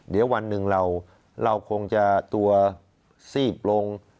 เดี๋ยววันหนึ่งเราคงจะตัวซีบลง